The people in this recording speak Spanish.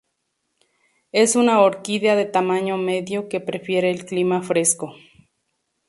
Es una orquídea de tamaño medio que prefiere el clima fresco.